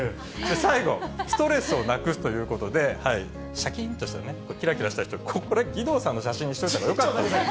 最後、ストレスをなくすということで、しゃきんとしたね、きらきらした人、これ、義堂さんの写真にしておいた方がよかったですね。